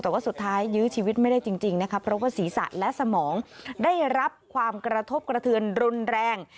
แต่ว่าสุดท้ายยื้อชีวิตไม่ได้จริงนะคะเพราะว่าศีรษะและสมองได้รับความกระทบกระเทือนรุนแรง